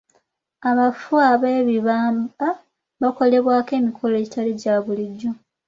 Abafu ab'ebibamba bakolebwako emikolo egitali gya bulijjo.